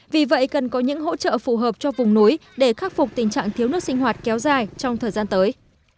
vì vậy cần có những hỗ trợ phù hợp cho vùng núi để khắc phục tình trạng thiếu nước sinh hoạt kéo dài trong thời gian tới